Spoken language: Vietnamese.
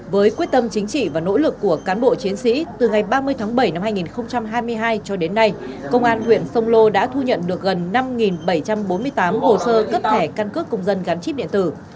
với quyết tâm chính trị và nỗ lực của cán bộ chiến sĩ từ ngày ba mươi tháng bảy năm hai nghìn hai mươi hai cho đến nay công an huyện sông lô đã thu nhận được gần năm bảy trăm bốn mươi tám hồ sơ cấp thẻ căn cước công dân gắn chip điện tử